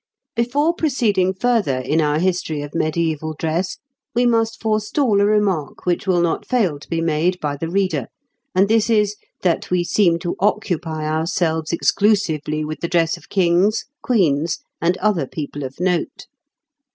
] Before proceeding further in our history of mediæval dress, we must forestall a remark which will not fail to be made by the reader, and this is, that we seem to occupy ourselves exclusively with the dress of kings, queens, and other people of note.